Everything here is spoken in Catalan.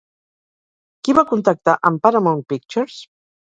Qui va contactar amb Paramount Pictures?